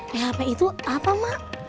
thp itu apa mak